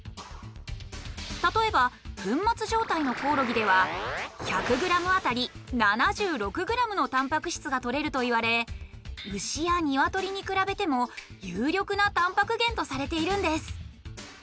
例えば粉末状態のコオロギでは１００ｇあたり７６ｇのタンパク質がとれるといわれ牛やニワトリに比べても有力なタンパク源とされているんです。